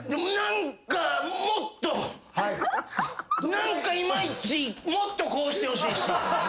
何かいまいちもっとこうしてほしいし。